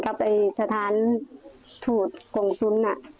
กับสถานถูทควงศุลน่ะ